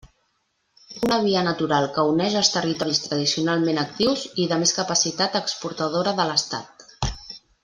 Una via natural que uneix els territoris tradicionalment actius i de més capacitat exportadora de l'Estat.